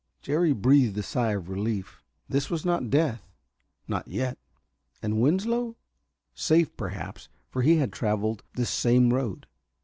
Jerry breathed a sigh of relief. This was not death not yet. And Winslow? Safe, perhaps, for he had traveled this same road.